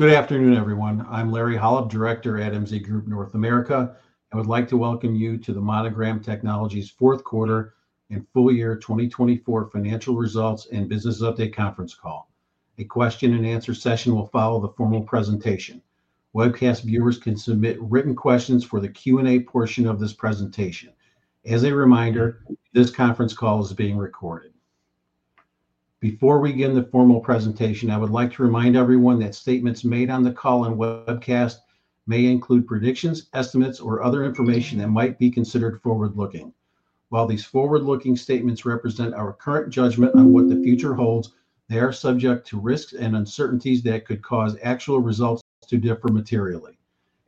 Good afternoon, everyone. I'm Larry Holub, Director at MZ Group North America. I would like to welcome you to the Monogram Technologies Fourth Quarter and Full Year 2024 Financial Results and Business Update Conference Call. A question-and-answer session will follow the formal presentation. Webcast viewers can submit written questions for the Q&A portion of this presentation. As a reminder, this conference call is being recorded. Before we begin the formal presentation, I would like to remind everyone that statements made on the call and webcast may include predictions, estimates, or other information that might be considered forward-looking. While these forward-looking statements represent our current judgment on what the future holds, they are subject to risks and uncertainties that could cause actual results to differ materially.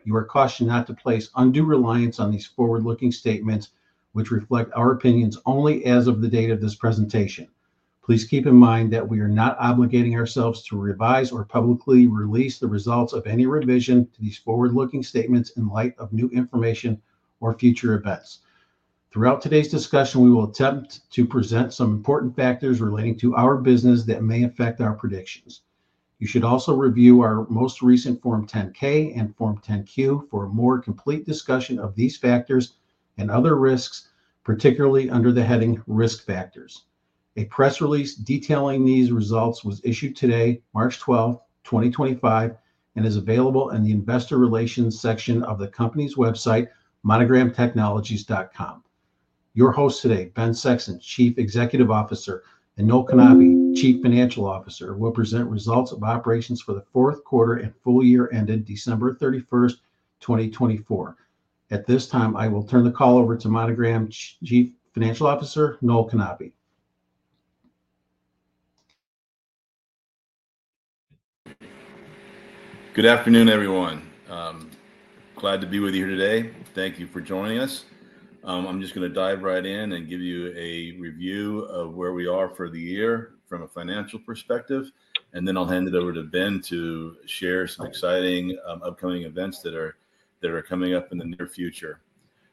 You are cautioned not to place undue reliance on these forward-looking statements, which reflect our opinions only as of the date of this presentation. Please keep in mind that we are not obligating ourselves to revise or publicly release the results of any revision to these forward-looking statements in light of new information or future events. Throughout today's discussion, we will attempt to present some important factors relating to our business that may affect our predictions. You should also review our most recent Form 10-K and Form 10-Q for a more complete discussion of these factors and other risks, particularly under the heading Risk Factors. A press release detailing these results was issued today, March 12, 2025, and is available in the Investor Relations section of the company's website, monogramtechnologies.com. Your hosts today, Ben Sexson, Chief Executive Officer, and Noel Knape, Chief Financial Officer, will present results of operations for the fourth quarter and full year ended December 31st, 2024. At this time, I will turn the call over to Monogram Chief Financial Officer, Noel Knape. Good afternoon, everyone. Glad to be with you here today. Thank you for joining us. I'm just going to dive right in and give you a review of where we are for the year from a financial perspective, and then I'll hand it over to Ben to share some exciting upcoming events that are coming up in the near future.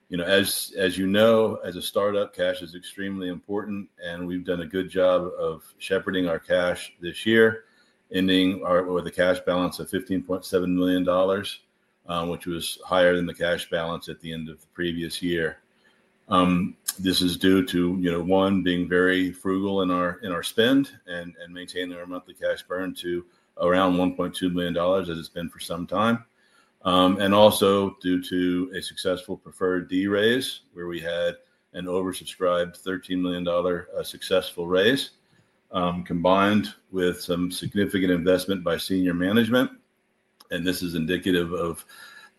You know, as you know, as a startup, cash is extremely important, and we've done a good job of shepherding our cash this year, ending with a cash balance of $15.7 million, which was higher than the cash balance at the end of the previous year. This is due to, you know, one, being very frugal in our spend and maintaining our monthly cash burn to around $1.2 million as it's been for some time, and also due to a successful preferred D-raise where we had an oversubscribed $13 million successful raise combined with some significant investment by senior management. This is indicative of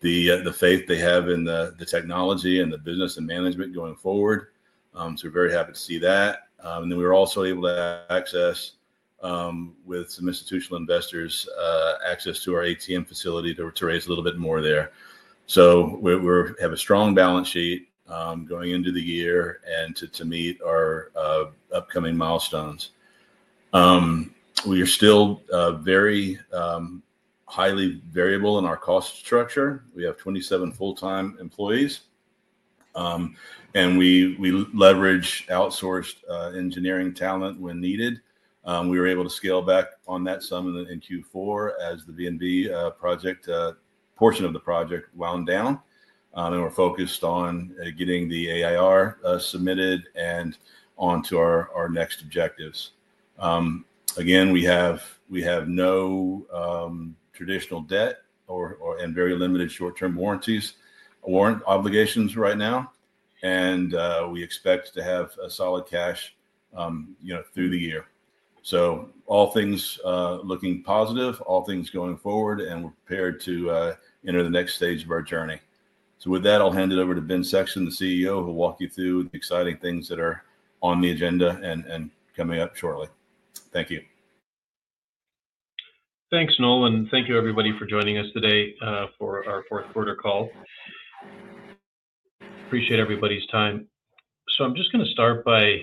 the faith they have in the technology and the business and management going forward. We are very happy to see that. We were also able to access, with some institutional investors, access to our ATM facility to raise a little bit more there. We have a strong balance sheet going into the year and to meet our upcoming milestones. We are still very highly variable in our cost structure. We have 27 full-time employees, and we leverage outsourced engineering talent when needed. We were able to scale back on that some in Q4 as the V&V project portion of the project wound down. We are focused on getting the AIR submitted and onto our next objectives. Again, we have no traditional debt and very limited short-term warranty obligations right now, and we expect to have solid cash through the year. All things looking positive, all things going forward, and we are prepared to enter the next stage of our journey. With that, I'll hand it over to Ben Sexson, the CEO, who will walk you through the exciting things that are on the agenda and coming up shortly. Thank you. Thanks, Noel, and thank you, everybody, for joining us today for our fourth quarter call. Appreciate everybody's time. I'm just going to start by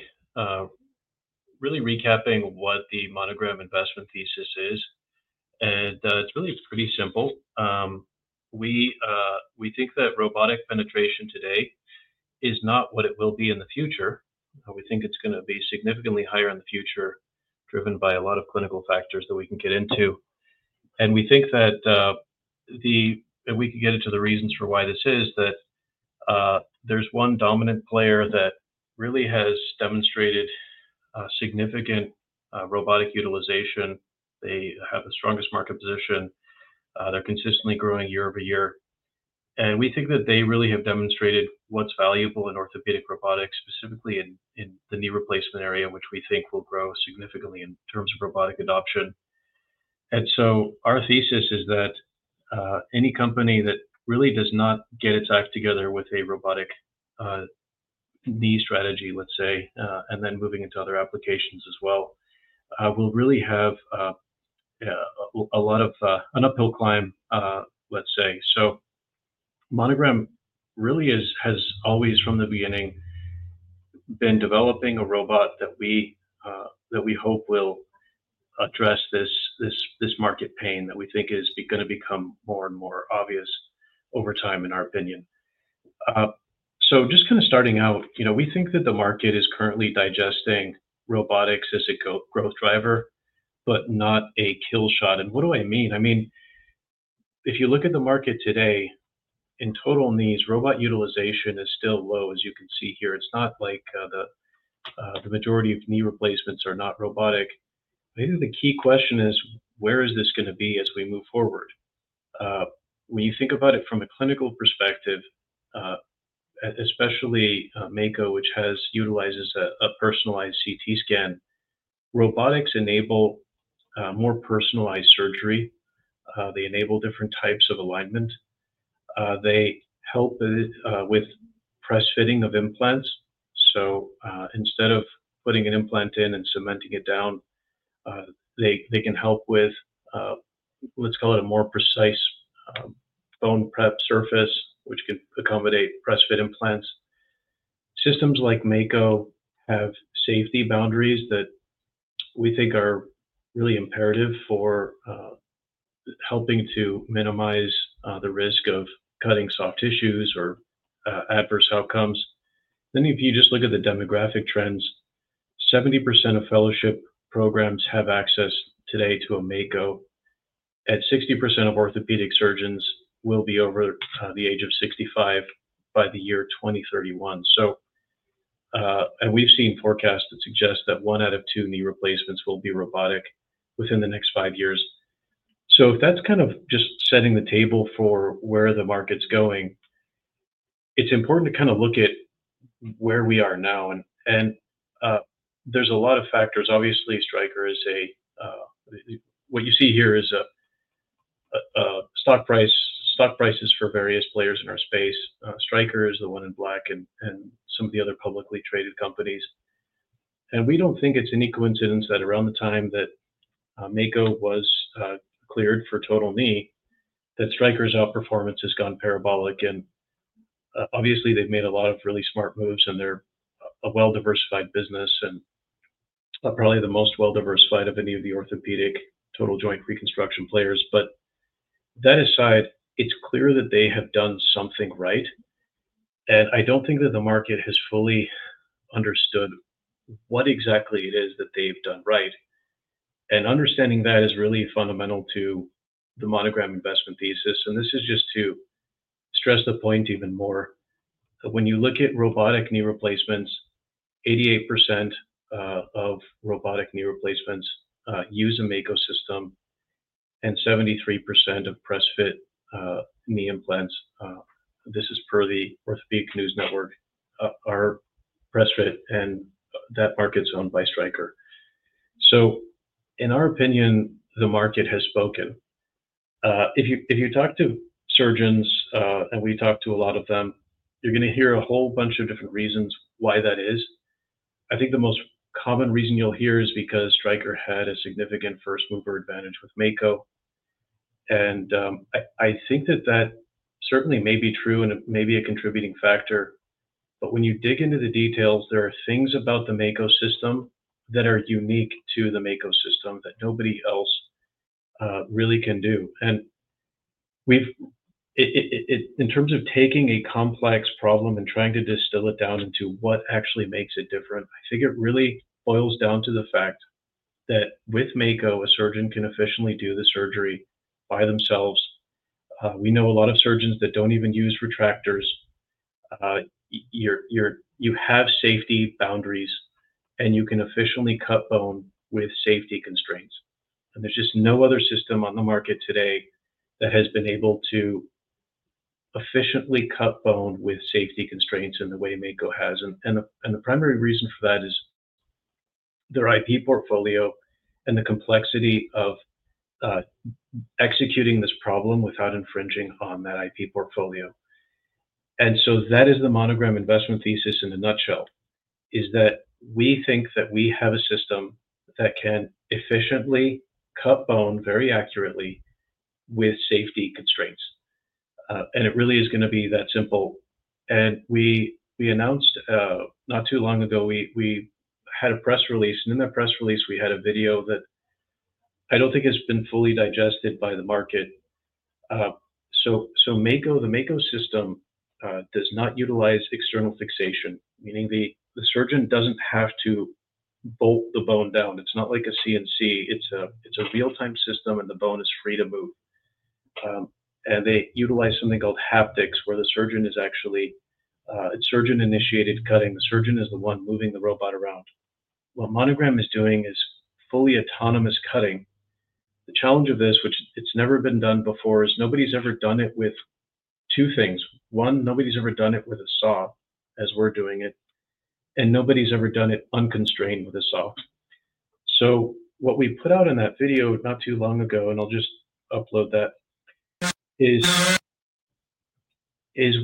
really recapping what the Monogram investment thesis is. It's really pretty simple. We think that robotic penetration today is not what it will be in the future. We think it's going to be significantly higher in the future, driven by a lot of clinical factors that we can get into. We think that we can get into the reasons for why this is, that there's one dominant player that really has demonstrated significant robotic utilization. They have the strongest market position. They're consistently growing year over year. We think that they really have demonstrated what's valuable in orthopedic robotics, specifically in the knee replacement area, which we think will grow significantly in terms of robotic adoption. Our thesis is that any company that really does not get its act together with a robotic knee strategy, let's say, and then moving into other applications as well, will really have a lot of an uphill climb, let's say. Monogram really has always, from the beginning, been developing a robot that we hope will address this market pain that we think is going to become more and more obvious over time, in our opinion. Just kind of starting out, you know, we think that the market is currently digesting robotics as a growth driver, but not a kill shot. And what do I mean? I mean, if you look at the market today, in total knees, robot utilization is still low, as you can see here. It's not like the majority of knee replacements are not robotic. I think the key question is, where is this going to be as we move forward? When you think about it from a clinical perspective, especially Mako, which utilizes a personalized CT scan, robotics enable more personalized surgery. They enable different types of alignment. They help with press-fitting of implants. So instead of putting an implant in and cementing it down, they can help with, let's call it, a more precise bone prep surface, which can accommodate press-fit implants. Systems like Mako have safety boundaries that we think are really imperative for helping to minimize the risk of cutting soft tissues or adverse outcomes. If you just look at the demographic trends, 70% of fellowship programs have access today to a Mako. At 60% of orthopedic surgeons will be over the age of 65 by the year 2031. We have seen forecasts that suggest that one out of two knee replacements will be robotic within the next five years. If that is just setting the table for where the market is going, it is important to look at where we are now. There are a lot of factors. Obviously, Stryker is a—what you see here is stock prices for various players in our space. Stryker is the one in black and some of the other publicly traded companies. We do not think it is any coincidence that around the time that Mako was cleared for total knee, Stryker's outperformance has gone parabolic. Obviously, they have made a lot of really smart moves, and they are a well-diversified business and probably the most well-diversified of any of the orthopedic total joint reconstruction players. That aside, it is clear that they have done something right. I don't think that the market has fully understood what exactly it is that they've done right. Understanding that is really fundamental to the Monogram investment thesis. This is just to stress the point even more. When you look at robotic knee replacements, 88% of robotic knee replacements use a Mako system, and 73% of press-fit knee implants. This is per the Orthopedic News Network. Our press-fit and that market's owned by Stryker. In our opinion, the market has spoken. If you talk to surgeons, and we talk to a lot of them, you're going to hear a whole bunch of different reasons why that is. I think the most common reason you'll hear is because Stryker had a significant first-mover advantage with Mako. I think that that certainly may be true and may be a contributing factor. When you dig into the details, there are things about the Mako system that are unique to the Mako system that nobody else really can do. In terms of taking a complex problem and trying to distill it down into what actually makes it different, I think it really boils down to the fact that with Mako, a surgeon can efficiently do the surgery by themselves. We know a lot of surgeons that do not even use retractors. You have safety boundaries, and you can efficiently cut bone with safety constraints. There is just no other system on the market today that has been able to efficiently cut bone with safety constraints in the way Mako has. The primary reason for that is their IP portfolio and the complexity of executing this problem without infringing on that IP portfolio. That is the Monogram investment thesis in a nutshell, is that we think that we have a system that can efficiently cut bone very accurately with safety constraints. It really is going to be that simple. We announced not too long ago, we had a press release, and in that press release, we had a video that I do not think has been fully digested by the market. The Mako system does not utilize external fixation, meaning the surgeon does not have to bolt the bone down. It is not like a CNC. It is a real-time system, and the bone is free to move. They utilize something called haptics, where the surgeon is actually—it is surgeon-initiated cutting. The surgeon is the one moving the robot around. What Monogram is doing is fully autonomous cutting. The challenge of this, which it's never been done before, is nobody's ever done it with two things. One, nobody's ever done it with a saw as we're doing it, and nobody's ever done it unconstrained with a saw. What we put out in that video not too long ago, and I'll just upload that, is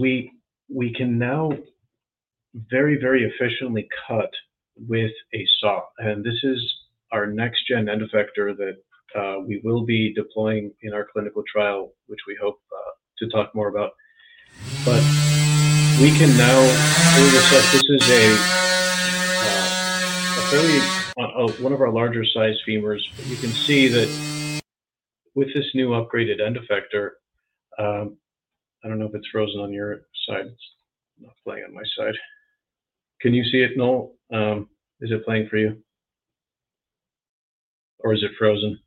we can now very, very efficiently cut with a saw. This is our next-gen end effector that we will be deploying in our clinical trial, which we hope to talk more about. We can now pull this up. This is a very—one of our larger-sized femurs. You can see that with this new upgraded end effector—I don't know if it's frozen on your side. It's not playing on my side. Can you see it, Noel? Is it playing for you? Or is it frozen?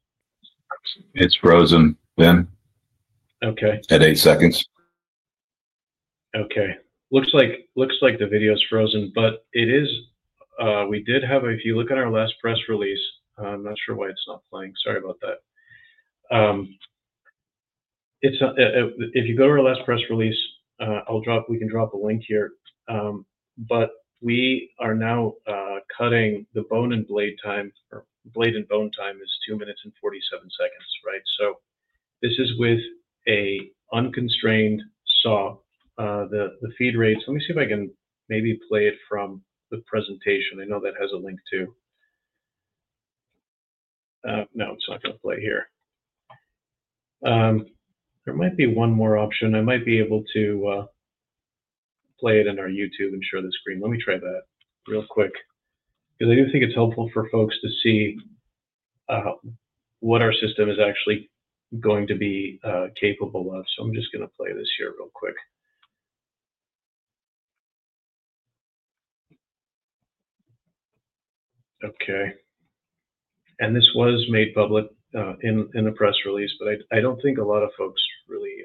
It's frozen, Ben. At eight seconds. Okay. Looks like the video is frozen, but it is. We did have a—if you look at our last press release, I'm not sure why it's not playing. Sorry about that. If you go to our last press release, we can drop a link here. We are now cutting the bone and blade time—blade-on-bone time is two minutes and 47 seconds, right? This is with an unconstrained saw. The feed rates—let me see if I can maybe play it from the presentation. I know that has a link too. No, it's not going to play here. There might be one more option. I might be able to play it in our YouTube and share the screen. Let me try that real quick because I do think it's helpful for folks to see what our system is actually going to be capable of. I'm just going to play this here real quick. Okay. This was made public in the press release, but I don't think a lot of folks really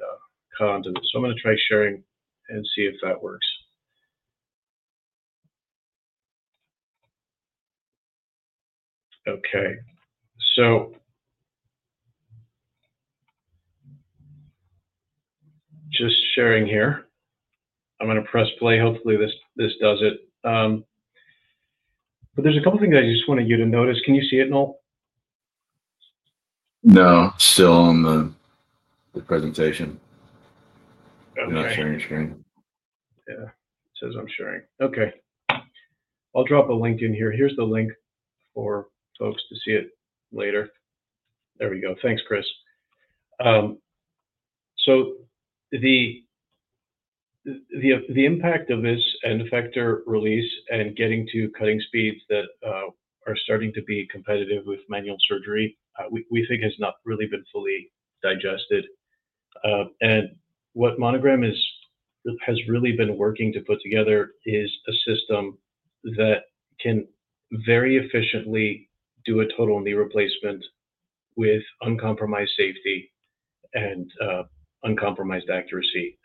caught on to this. I'm going to try sharing and see if that works. Okay. Just sharing here. I'm going to press play. Hopefully, this does it. There's a couple of things I just want you to notice. Can you see it, Noel? No. Still on the presentation. I'm not sharing your screen. Yeah. It says I'm sharing. Okay. I'll drop a link in here. Here's the link for folks to see it later. There we go. Thanks, Chris. The impact of this end effector release and getting to cutting speeds that are starting to be competitive with manual surgery, we think, has not really been fully digested. What Monogram has really been working to put together is a system that can very efficiently do a total knee replacement with uncompromised safety and uncompromised accuracy.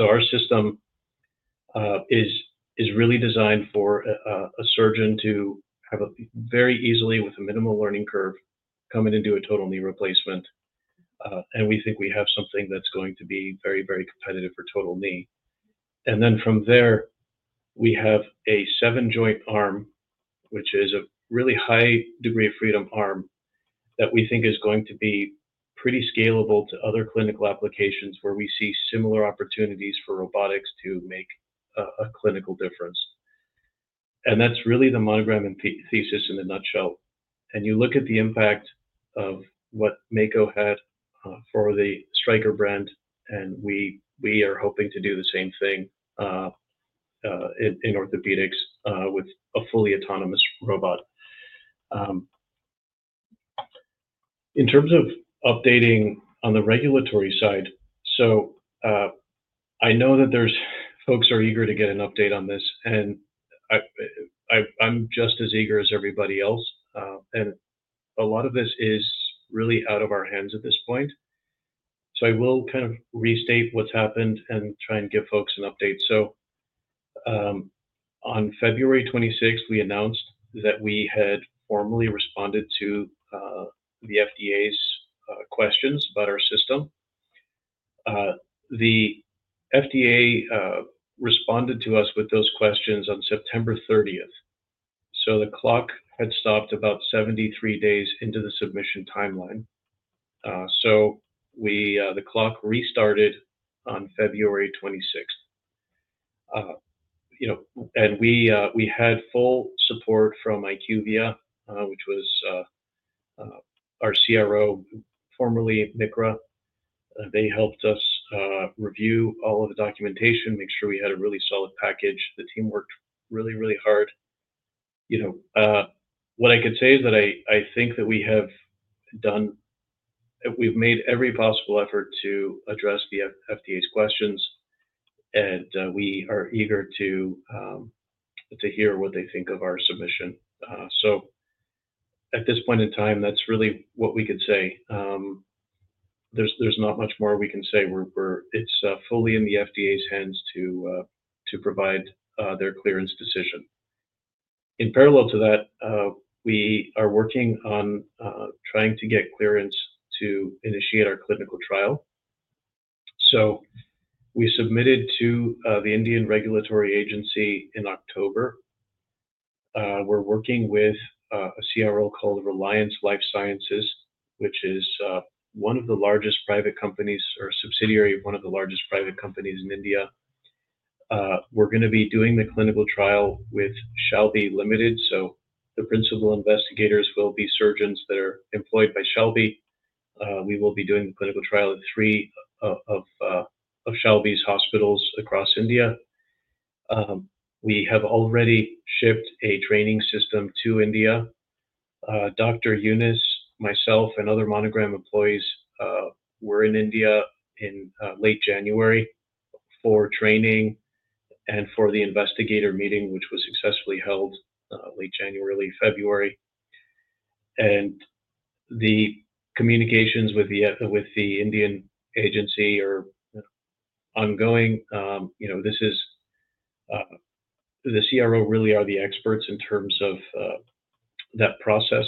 Our system is really designed for a surgeon to have a very easily, with a minimal learning curve, come in and do a total knee replacement. We think we have something that's going to be very, very competitive for total knee. From there, we have a seven-joint arm, which is a really high degree of freedom arm that we think is going to be pretty scalable to other clinical applications where we see similar opportunities for robotics to make a clinical difference. That is really the Monogram thesis in a nutshell. You look at the impact of what Mako had for the Stryker brand, and we are hoping to do the same thing in orthopedics with a fully autonomous robot. In terms of updating on the regulatory side, I know that folks are eager to get an update on this, and I am just as eager as everybody else. A lot of this is really out of our hands at this point. I will kind of restate what has happened and try and give folks an update. On February 26th, we announced that we had formally responded to the FDA's questions about our system. The FDA responded to us with those questions on September 30th. The clock had stopped about 73 days into the submission timeline. The clock restarted on February 26th. We had full support from IQVIA, which was our CRO, formerly MCRA. They helped us review all of the documentation, make sure we had a really solid package. The team worked really, really hard. What I could say is that I think that we have done—we've made every possible effort to address the FDA's questions, and we are eager to hear what they think of our submission. At this point in time, that's really what we could say. There's not much more we can say. It's fully in the FDA's hands to provide their clearance decision. In parallel to that, we are working on trying to get clearance to initiate our clinical trial. We submitted to the Indian regulatory agency in October. We are working with a CRO called Reliance Life Sciences, which is one of the largest private companies or a subsidiary of one of the largest private companies in India. We are going to be doing the clinical trial with Shalby Limited. The principal investigators will be surgeons that are employed by Shalby. We will be doing the clinical trial at three of Shalby's hospitals across India. We have already shipped a training system to India. Dr. Unis, myself, and other Monogram employees were in India in late January for training and for the investigator meeting, which was successfully held late January, early February. The communications with the Indian agency are ongoing. The CRO really are the experts in terms of that process.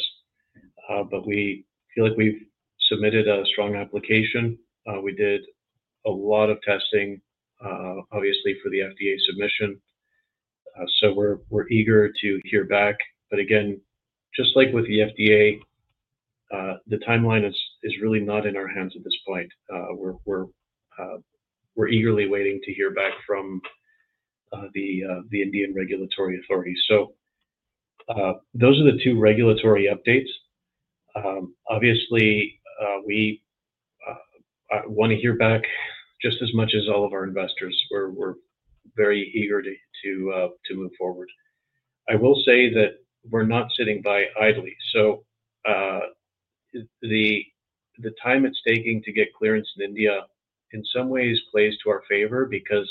We feel like we've submitted a strong application. We did a lot of testing, obviously, for the FDA submission. We're eager to hear back. Just like with the FDA, the timeline is really not in our hands at this point. We're eagerly waiting to hear back from the Indian regulatory authority. Those are the two regulatory updates. Obviously, we want to hear back just as much as all of our investors. We're very eager to move forward. I will say that we're not sitting by idly. The time it's taking to get clearance in India, in some ways, plays to our favor because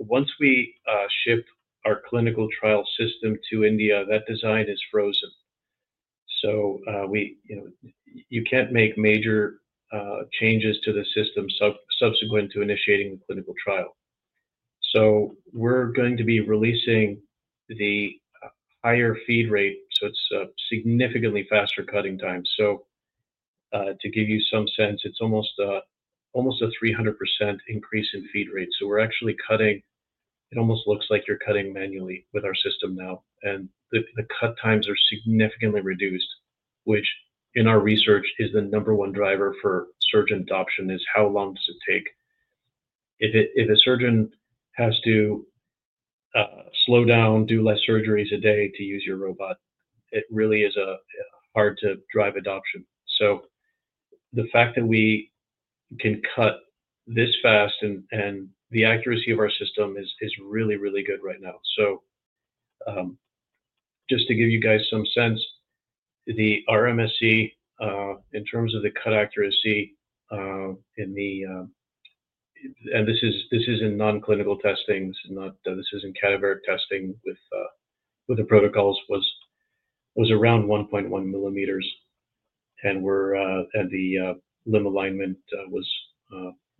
once we ship our clinical trial system to India, that design is frozen. You can't make major changes to the system subsequent to initiating the clinical trial. We're going to be releasing the higher feed rate. It is significantly faster cutting time. To give you some sense, it is almost a 300% increase in feed rate. We are actually cutting—it almost looks like you are cutting manually with our system now. The cut times are significantly reduced, which, in our research, is the number one driver for surgeon adoption, is how long does it take. If a surgeon has to slow down, do fewer surgeries a day to use your robot, it really is hard to drive adoption. The fact that we can cut this fast and the accuracy of our system is really, really good right now. Just to give you guys some sense, the RMSE, in terms of the cut accuracy in the—and this is in non-clinical testing. This is not—this is in cadaveric testing with the protocols—was around 1.1 millimeters. The limb alignment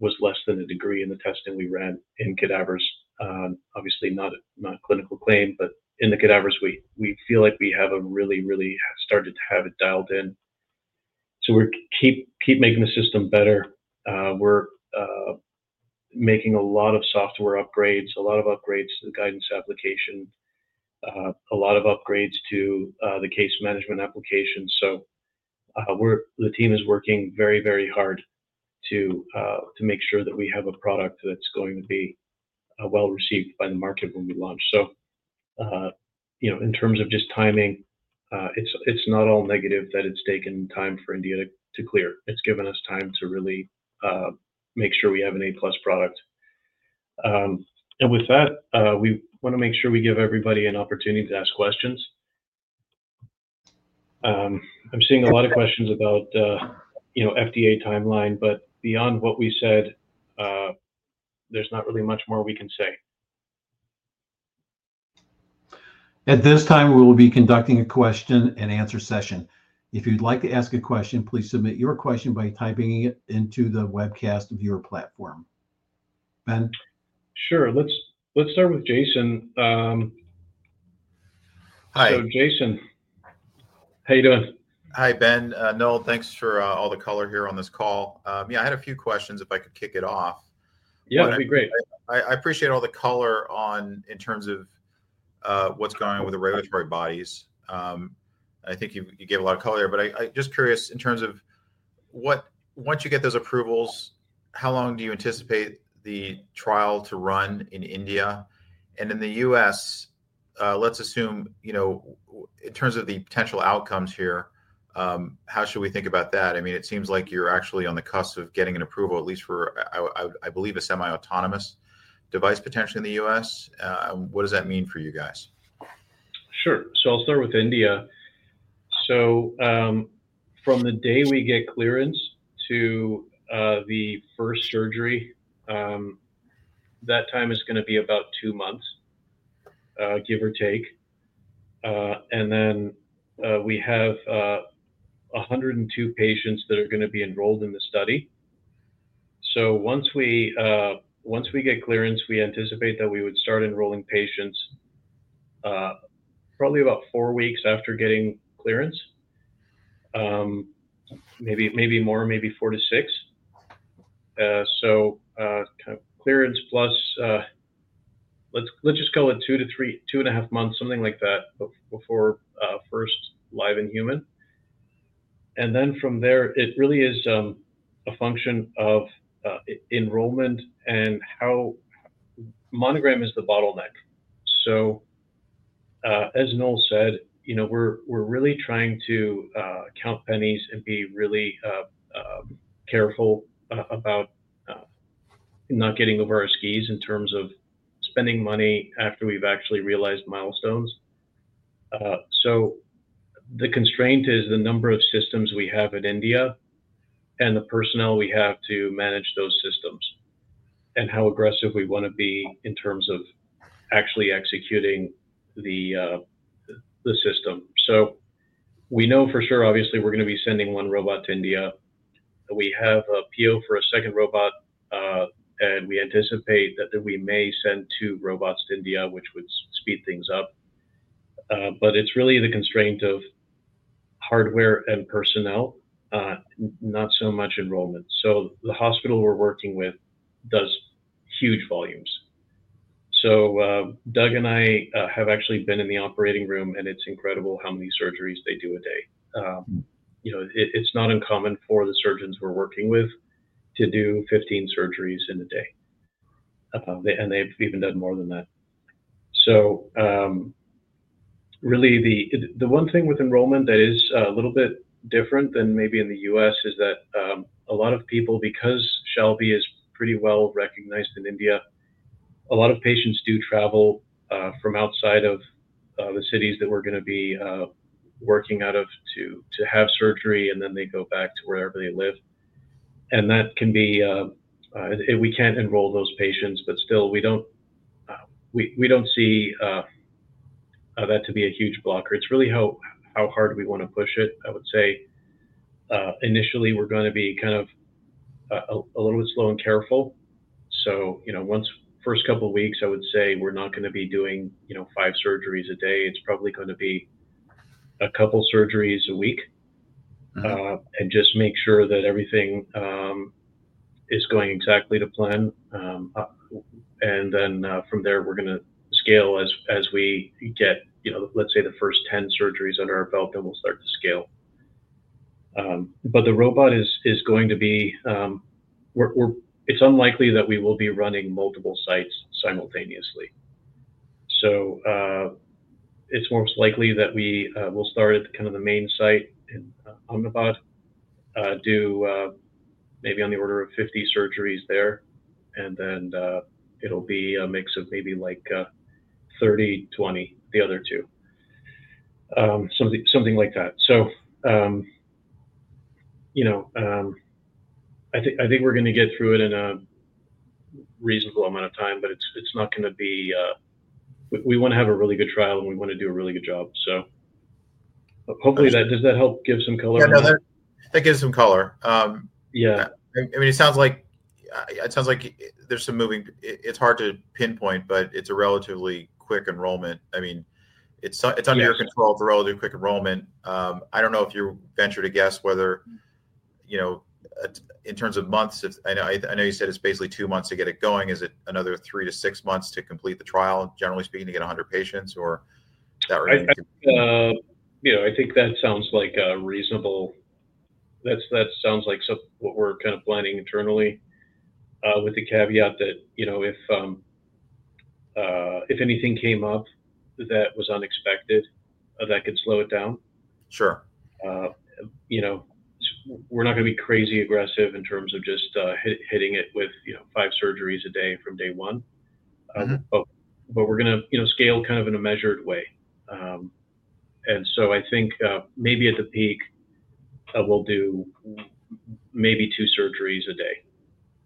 was less than a degree in the testing we ran in cadavers. Obviously, not a clinical claim, but in the cadavers, we feel like we have really, really started to have it dialed in. We keep making the system better. We're making a lot of software upgrades, a lot of upgrades to the guidance application, a lot of upgrades to the case management application. The team is working very, very hard to make sure that we have a product that's going to be well received by the market when we launch. In terms of just timing, it's not all negative that it's taken time for India to clear. It's given us time to really make sure we have an A-plus product. With that, we want to make sure we give everybody an opportunity to ask questions. I'm seeing a lot of questions about the FDA timeline, but beyond what we said, there's not really much more we can say. At this time, we will be conducting a question-and-answer session. If you'd like to ask a question, please submit your question by typing it into the webcast of your platform. Ben? Sure. Let's start with Jason. Hi. Jason, how are you doing? Hi, Ben. Noel, thanks for all the color here on this call. Yeah, I had a few questions if I could kick it off. Yeah, that'd be great. I appreciate all the color in terms of what's going on with the regulatory bodies. I think you gave a lot of color here. I'm just curious, in terms of once you get those approvals, how long do you anticipate the trial to run in India? In the U.S., let's assume, in terms of the potential outcomes here, how should we think about that? I mean, it seems like you're actually on the cusp of getting an approval, at least for, I believe, a semi-autonomous device potentially in the U.S. What does that mean for you guys? Sure. I'll start with India. From the day we get clearance to the first surgery, that time is going to be about two months, give or take. We have 102 patients that are going to be enrolled in the study. Once we get clearance, we anticipate that we would start enrolling patients probably about four weeks after getting clearance, maybe more, maybe four to six. Clearance plus, let's just call it two to two and a half months, something like that, before first live in human. From there, it really is a function of enrollment and how Monogram is the bottleneck. As Noel said, we're really trying to count pennies and be really careful about not getting over our skis in terms of spending money after we've actually realized milestones. The constraint is the number of systems we have in India and the personnel we have to manage those systems and how aggressive we want to be in terms of actually executing the system. We know for sure, obviously, we're going to be sending one robot to India. We have a PO for a second robot, and we anticipate that we may send two robots to India, which would speed things up. It's really the constraint of hardware and personnel, not so much enrollment. The hospital we're working with does huge volumes. Doug and I have actually been in the operating room, and it's incredible how many surgeries they do a day. It's not uncommon for the surgeons we're working with to do 15 surgeries in a day. They've even done more than that. Really, the one thing with enrollment that is a little bit different than maybe in the U.S. is that a lot of people, because Shalby is pretty well recognized in India, a lot of patients do travel from outside of the cities that we're going to be working out of to have surgery, and then they go back to wherever they live. That can be—we can't enroll those patients, but still, we don't see that to be a huge blocker. It's really how hard we want to push it. I would say initially, we're going to be kind of a little bit slow and careful. Once the first couple of weeks, I would say we're not going to be doing five surgeries a day. It's probably going to be a couple of surgeries a week and just make sure that everything is going exactly to plan. From there, we're going to scale as we get, let's say, the first 10 surgeries under our belt, then we'll start to scale. The robot is going to be—it is unlikely that we will be running multiple sites simultaneously. It is most likely that we will start at kind of the main site in Ahmedabad, do maybe on the order of 50 surgeries there, and then it will be a mix of maybe like 30, 20, the other two, something like that. I think we're going to get through it in a reasonable amount of time, but it is not going to be—we want to have a really good trial, and we want to do a really good job. Hopefully, does that help give some color? That gives some color. I mean, it sounds like there's some moving, it's hard to pinpoint, but it's a relatively quick enrollment. I mean, it's under your control, relatively quick enrollment. I don't know if you ventured to guess whether, in terms of months, I know you said it's basically two months to get it going. Is it another three to six months to complete the trial, generally speaking, to get 100 patients, or is that really? I think that sounds like a reasonable—that sounds like what we're kind of planning internally, with the caveat that if anything came up that was unexpected, that could slow it down. Sure. We're not going to be crazy aggressive in terms of just hitting it with five surgeries a day from day one. We are going to scale kind of in a measured way. I think maybe at the peak, we'll do maybe two surgeries a day.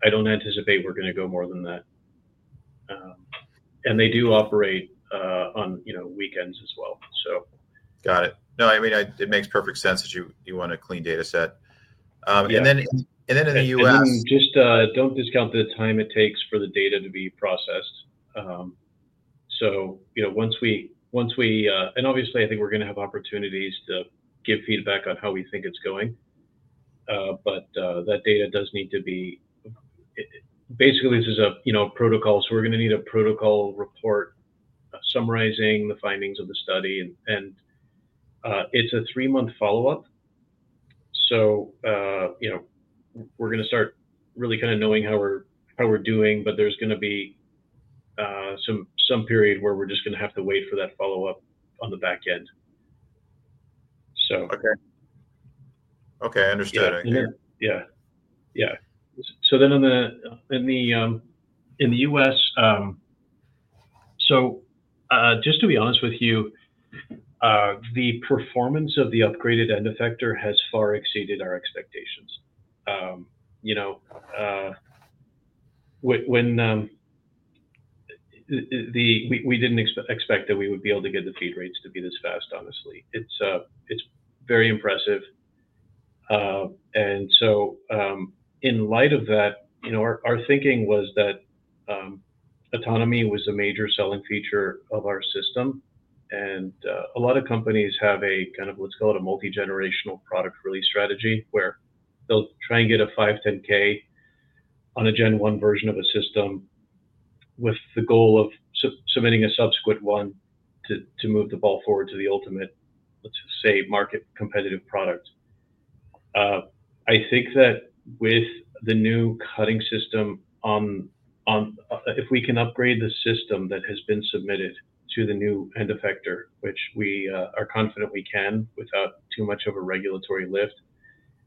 I don't anticipate we're going to go more than that. They do operate on weekends as well. Got it. No, I mean, it makes perfect sense that you want a clean data set. And then in the U.S.. Just don't discount the time it takes for the data to be processed. Once we—and obviously, I think we're going to have opportunities to give feedback on how we think it's going. That data does need to be—basically, this is a protocol. We're going to need a protocol report summarizing the findings of the study. It's a three-month follow-up. We're going to start really kind of knowing how we're doing, but there's going to be some period where we're just going to have to wait for that follow-up on the back end. Okay. Okay. I understand. Yeah. Yeah. In the U.S., just to be honest with you, the performance of the upgraded end effector has far exceeded our expectations. We didn't expect that we would be able to get the feed rates to be this fast, honestly. It's very impressive. In light of that, our thinking was that autonomy was a major selling feature of our system. A lot of companies have a kind of, let's call it a multi-generational product release strategy where they'll try and get a 510(k) on a Gen 1 version of a system with the goal of submitting a subsequent one to move the ball forward to the ultimate, let's say, market competitive product. I think that with the new cutting system, if we can upgrade the system that has been submitted to the new end effector, which we are confident we can without too much of a regulatory lift,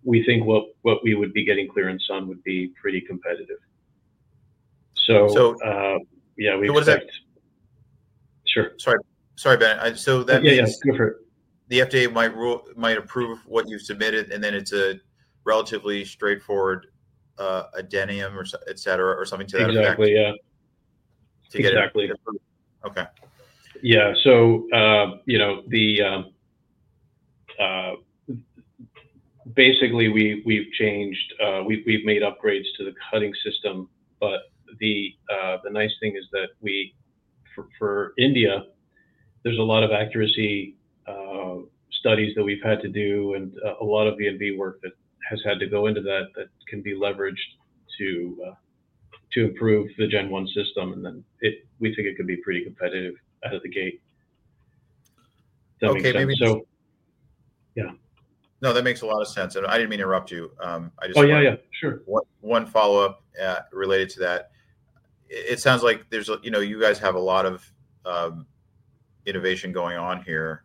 we think what we would be getting clearance on would be pretty competitive. Yeah, we expect. What's that? Sure. Sorry, Ben. That means. Yeah, yeah. Go for it. The FDA might approve what you submitted, and then it's a relatively straightforward addendum, etc., or something to that effect. Exactly. Yeah. To get it approved. Exactly. Okay. Yeah. Basically, we've changed—we've made upgrades to the cutting system. The nice thing is that for India, there's a lot of accuracy studies that we've had to do and a lot of V&V work that has had to go into that that can be leveraged to improve the Gen 1 system. We think it could be pretty competitive out of the gate. Okay. Maybe. So yeah. No, that makes a lot of sense. I didn't mean to interrupt you. I just wanted to. Oh, yeah. Yeah. Sure. One follow-up related to that. It sounds like you guys have a lot of innovation going on here.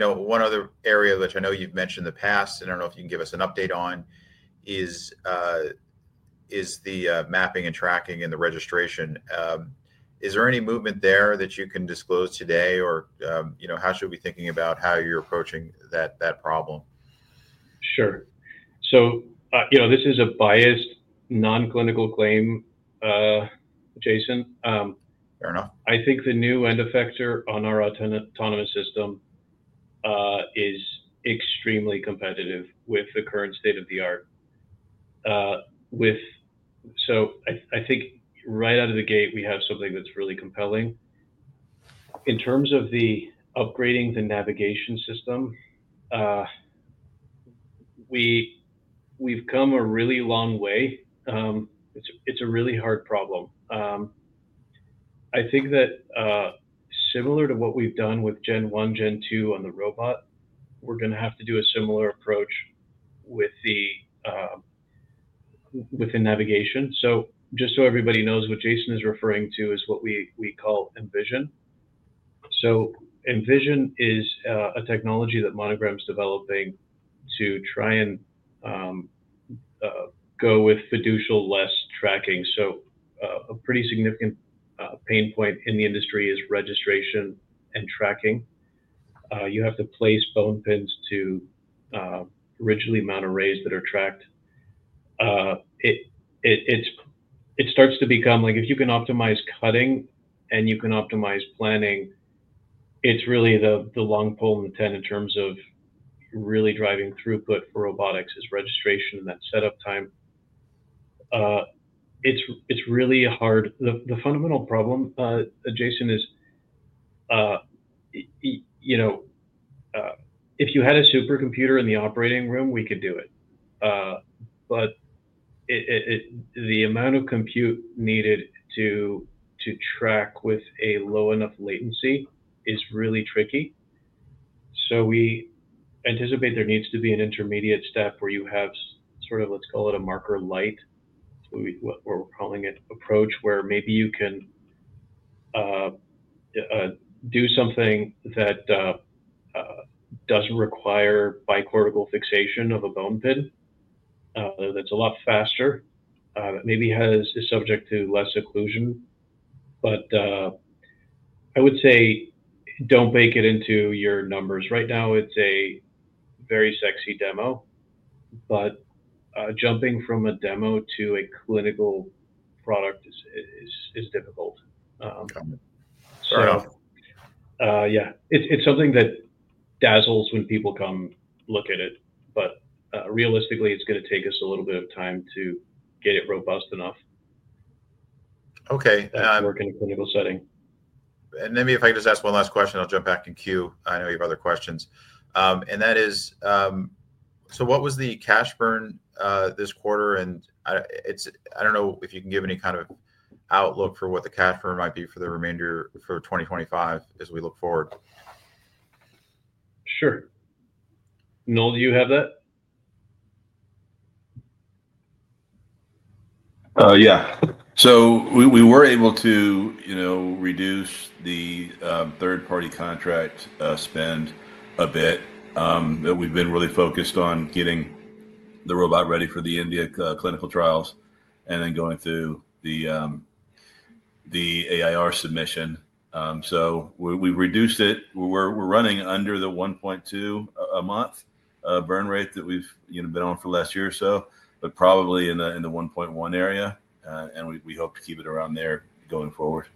One other area, which I know you've mentioned in the past, and I don't know if you can give us an update on, is the mapping and tracking and the registration. Is there any movement there that you can disclose today, or how should we be thinking about how you're approaching that problem? Sure. This is a biased non-clinical claim, Jason. Fair enough. I think the new end effector on our autonomous system is extremely competitive with the current state of the art. I think right out of the gate, we have something that's really compelling. In terms of upgrading the navigation system, we've come a really long way. It's a really hard problem. I think that similar to what we've done with Gen 1, Gen 2 on the robot, we're going to have to do a similar approach with the navigation. Just so everybody knows, what Jason is referring to is what we call mVision. mVision is a technology that Monogram's developing to try and go with fiducial-less tracking. A pretty significant pain point in the industry is registration and tracking. You have to place bone pins to originally mount arrays that are tracked. It starts to become like if you can optimize cutting and you can optimize planning, it's really the long pole in the tent in terms of really driving throughput for robotics is registration and that setup time. It's really hard. The fundamental problem, Jason, is if you had a supercomputer in the operating room, we could do it. But the amount of compute needed to track with a low enough latency is really tricky. We anticipate there needs to be an intermediate step where you have sort of, let's call it a marker light, what we're calling it, approach where maybe you can do something that doesn't require bicortical fixation of a bone pin that's a lot faster, maybe is subject to less occlusion. I would say don't bake it into your numbers. Right now, it's a very sexy demo, but jumping from a demo to a clinical product is difficult. Fair enough. Yeah. It's something that dazzles when people come look at it. Realistically, it's going to take us a little bit of time to get it robust enough. Okay. To work in a clinical setting. Maybe if I could just ask one last question, I'll jump back in queue. I know you have other questions. That is, what was the cash burn this quarter? I don't know if you can give any kind of outlook for what the cash burn might be for the remainder for 2025 as we look forward. Sure. Noel, do you have that? Yeah. We were able to reduce the third-party contract spend a bit. We've been really focused on getting the robot ready for the India clinical trials and then going through the AIR submission. We've reduced it. We're running under the $1.2 million a month burn rate that we've been on for the last year or so, but probably in the $1.1 million area. We hope to keep it around there going forward.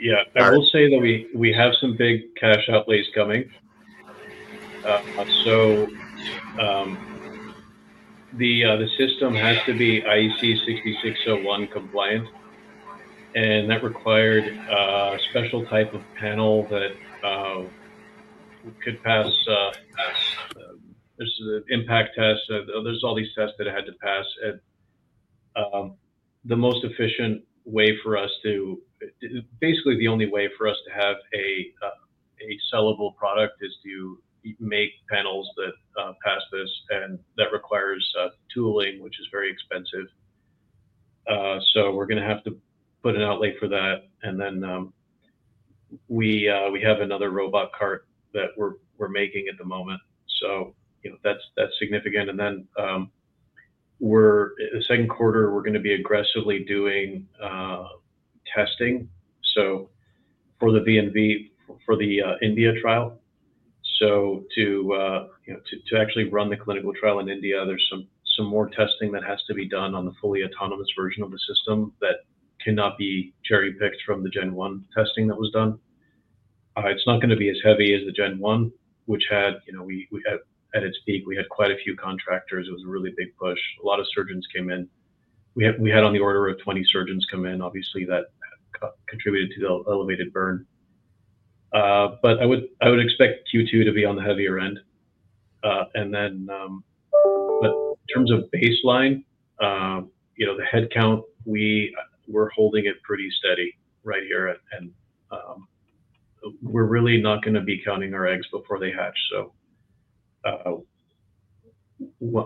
Yeah. I will say that we have some big cash outlays coming. The system has to be IEC 60601 compliant. That required a special type of panel that could pass this impact test. There are all these tests that it had to pass. The most efficient way for us to basically, the only way for us to have a sellable product is to make panels that pass this, and that requires tooling, which is very expensive. We are going to have to put an outlay for that. We have another robot cart that we are making at the moment. That is significant. In the second quarter, we are going to be aggressively doing testing for the India trial. To actually run the clinical trial in India, there's some more testing that has to be done on the fully autonomous version of the system that cannot be cherry-picked from the Gen 1 testing that was done. It's not going to be as heavy as the Gen 1, which had at its peak, we had quite a few contractors. It was a really big push. A lot of surgeons came in. We had on the order of 20 surgeons come in. Obviously, that contributed to the elevated burn. I would expect Q2 to be on the heavier end. In terms of baseline, the head count, we're holding it pretty steady right here. We're really not going to be counting our eggs before they hatch.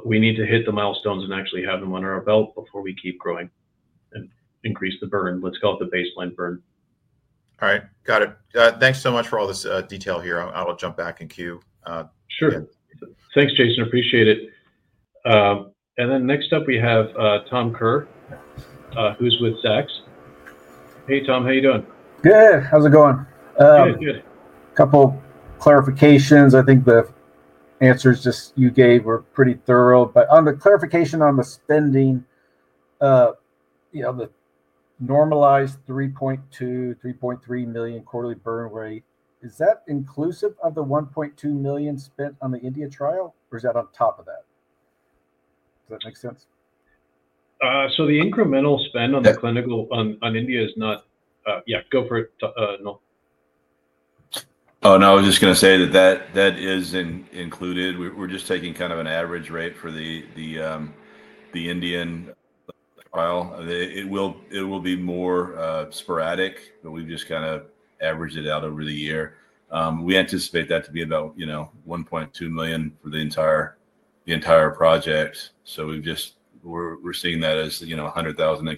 We need to hit the milestones and actually have them under our belt before we keep growing and increase the burn, let's call it the baseline burn. All right. Got it. Thanks so much for all this detail here. I'll jump back in queue. Sure. Thanks, Jason. Appreciate it. Next up, we have Tom Kerr, who's with Zacks. Hey, Tom, how are you doing? Good. How's it going? Good. Good. Couple clarifications. I think the answers just you gave were pretty thorough. On the clarification on the spending, the normalized $3.2-$3.3 million quarterly burn rate, is that inclusive of the $1.2 million spent on the India trial, or is that on top of that? Does that make sense? The incremental spend on India is not yeah, go for it. Oh, no. I was just going to say that that is included. We're just taking kind of an average rate for the Indian trial. It will be more sporadic, but we've just kind of averaged it out over the year. We anticipate that to be about $1.2 million for the entire project. We're seeing that as $100,000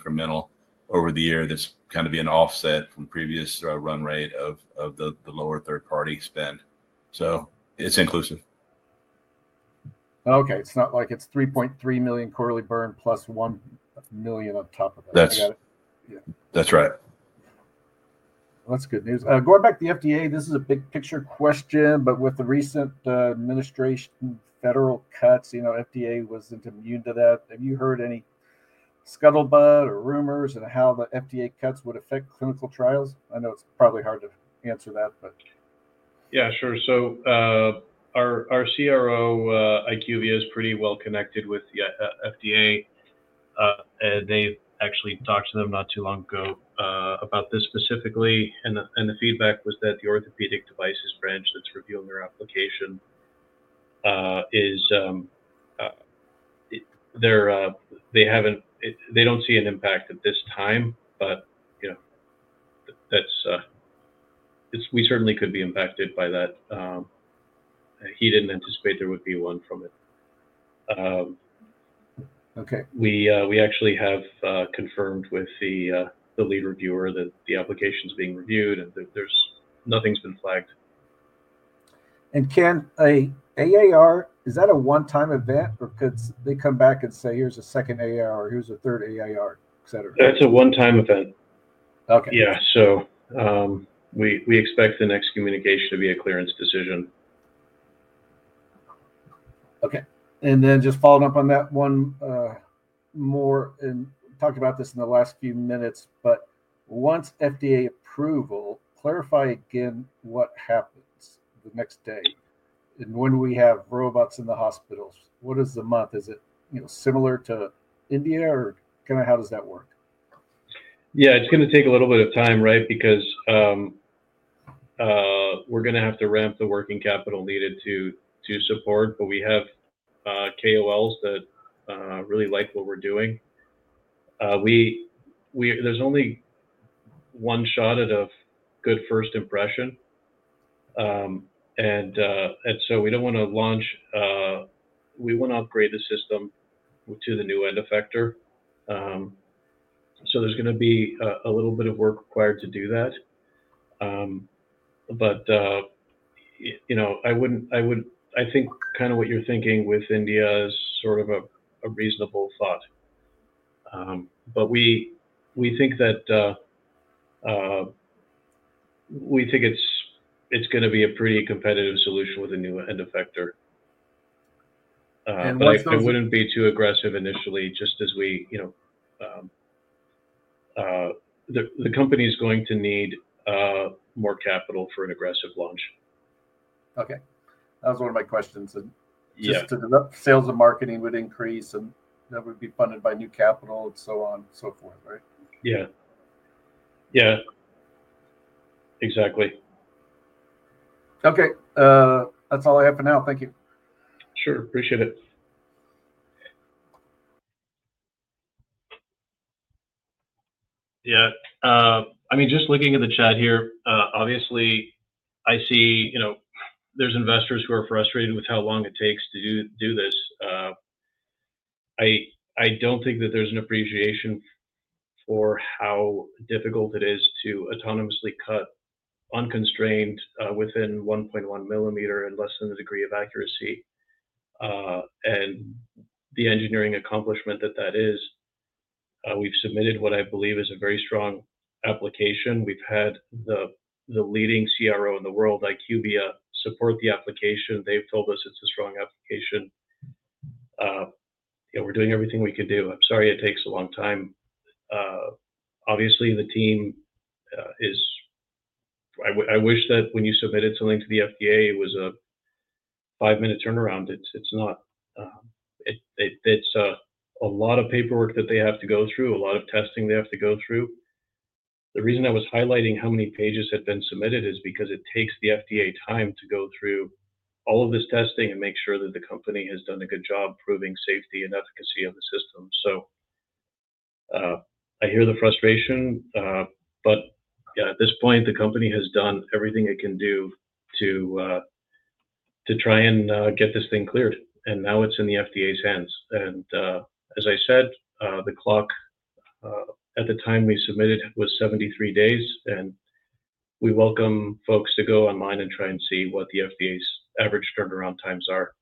incremental over the year that's kind of an offset from previous run rate of the lower third-party spend. It is inclusive. Okay. It's not like it's $3.3 million quarterly burn plus $1 million on top of it. That's right. That's good news. Going back to the FDA, this is a big-picture question, but with the recent administration federal cuts, FDA wasn't immune to that. Have you heard any scuttlebutt or rumors on how the FDA cuts would affect clinical trials? I know it's probably hard to answer that, but. Yeah, sure. Our CRO, IQVIA, is pretty well connected with the FDA. They actually talked to them not too long ago about this specifically. The feedback was that the orthopedic devices branch that's reviewing their application does not see an impact at this time, but we certainly could be impacted by that. He did not anticipate there would be one from it. We actually have confirmed with the lead reviewer that the application is being reviewed, and nothing's been flagged. Can an AIR, is that a one-time event, or could they come back and say, "Here's a second AIR," or, "Here's a third AIR," etc.? That's a one-time event. Yeah. We expect the next communication to be a clearance decision. Okay. And then just following up on that one more, and talked about this in the last few minutes, but once FDA approval, clarify again what happens the next day. And when we have robots in the hospitals, what is the month? Is it similar to India, or kind of how does that work? Yeah. It's going to take a little bit of time, right, because we're going to have to ramp the working capital needed to support. We have KOLs that really like what we're doing. There's only one shot at a good first impression. We don't want to launch, we want to upgrade the system to the new end effector. There's going to be a little bit of work required to do that. I think kind of what you're thinking with India is sort of a reasonable thought. We think it's going to be a pretty competitive solution with a new end effector. It wouldn't be too aggressive initially, just as we the company is going to need more capital for an aggressive launch. Okay. That was one of my questions. Sales and marketing would increase, and that would be funded by new capital and so on and so forth, right? Yeah. Yeah. Exactly. Okay. That's all I have for now. Thank you. Sure. Appreciate it. Yeah. I mean, just looking at the chat here, obviously, I see there's investors who are frustrated with how long it takes to do this. I don't think that there's an appreciation for how difficult it is to autonomously cut unconstrained within 1.1 millimeter and less than a degree of accuracy and the engineering accomplishment that that is. We've submitted what I believe is a very strong application. We've had the leading CRO in the world, IQVIA, support the application. They've told us it's a strong application. We're doing everything we can do. I'm sorry it takes a long time. Obviously, the team is I wish that when you submitted something to the FDA, it was a five-minute turnaround. It's not. It's a lot of paperwork that they have to go through, a lot of testing they have to go through. The reason I was highlighting how many pages had been submitted is because it takes the FDA time to go through all of this testing and make sure that the company has done a good job proving safety and efficacy of the system. I hear the frustration. At this point, the company has done everything it can do to try and get this thing cleared. Now it's in the FDA's hands. As I said, the clock at the time we submitted was 73 days. We welcome folks to go online and try and see what the FDA's average turnaround times are.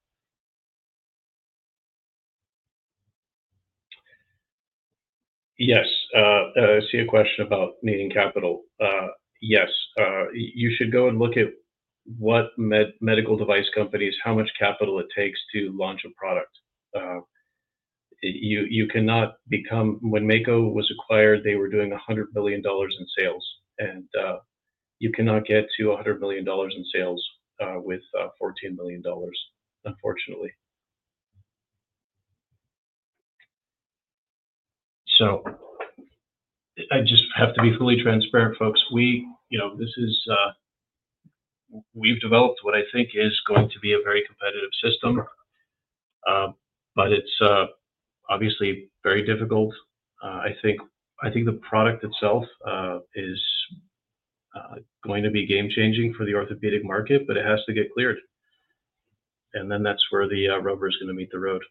Yes. I see a question about needing capital. Yes. You should go and look at what medical device companies, how much capital it takes to launch a product. You cannot become when Mako was acquired, they were doing $100 million in sales. You cannot get to $100 million in sales with $14 million, unfortunately. I just have to be fully transparent, folks. This is, we've developed what I think is going to be a very competitive system. It is obviously very difficult. I think the product itself is going to be game-changing for the orthopedic market, but it has to get cleared. That is where the rubber is going to meet the road.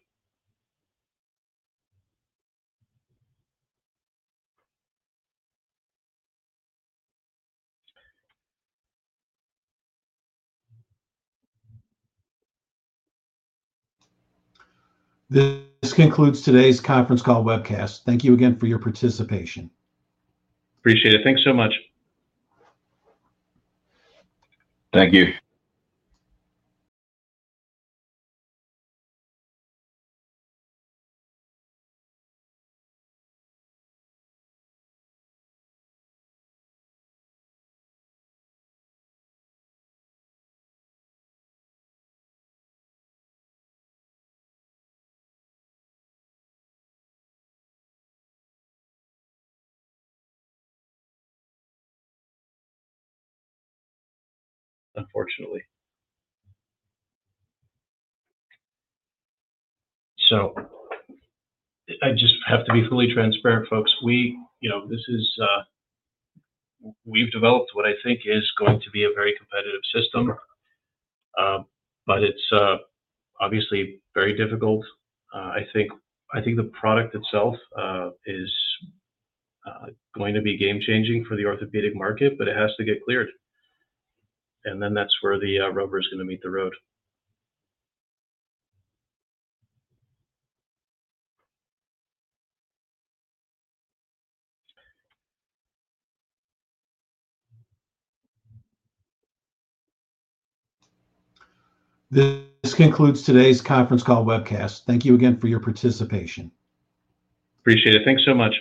This concludes today's conference call webcast. Thank you again for your participation. Appreciate it. Thanks so much. Thank you. So, I just have to be fully transparent, folks. We have developed what I think is going to be a very competitive system. It is obviously very difficult. I think the product itself is going to be game-changing for the orthopedic market, but it has to get cleared. That is where the rubber is going to meet the road. This concludes today's conference call webcast. Thank you again for your participation. Appreciate it. Thanks so much.